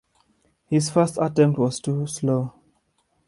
His first attempt was too slow.